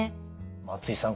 松井さん